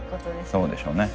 そうでしょうね。